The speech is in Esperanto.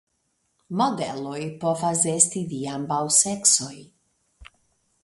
Modeloj povas esti de ambaŭ seksoj.